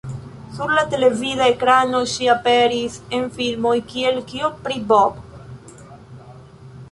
Sur la televida ekrano, ŝi aperis en filmoj kiel "Kio pri Bob?